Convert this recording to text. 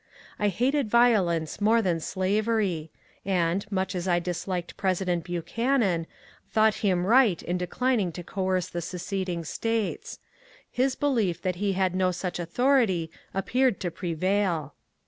I hated violence more than slavery, and, much as I disliked President Buchanan, thought him right in declining to coerce the seced ing States ; his belief that he had no such authority appeared to prevail.